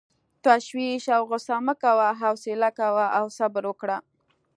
تشویش او غصه مه کوه، حوصله کوه او صبر وکړه.